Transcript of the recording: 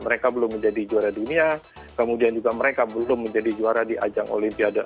mereka belum menjadi juara dunia kemudian juga mereka belum menjadi juara di ajang olimpiade